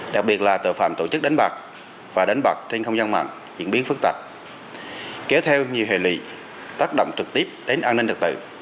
đặc biệt là tội phạm tổ chức đánh bạc và đánh bạc trên không gian mạng diễn biến phức tạp kéo theo nhiều hệ lụy tác động trực tiếp đến an ninh đặc tự